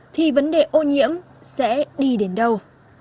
thì vấn đề ô nhiễm sẽ đi đến đâu